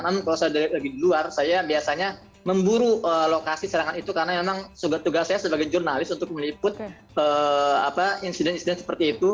namun kalau saya lagi di luar saya biasanya memburu lokasi serangan itu karena memang tugas saya sebagai jurnalis untuk meliput insiden insiden seperti itu